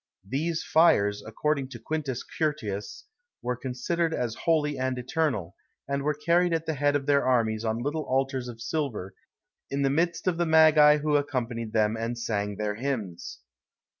These fires, according to Quintus Curtius, were considered as holy and eternal, and were carried at the head of their armies on little altars of silver, in the midst of the magi who accompanied them and sang their hymns.